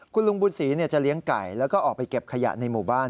คุณลุงบุญศรีจะเลี้ยงไก่แล้วก็ออกไปเก็บขยะในหมู่บ้าน